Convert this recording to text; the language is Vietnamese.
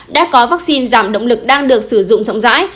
đã có vaccine giảm động lực đang được sử dụng rộng rãi